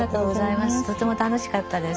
とても楽しかったです。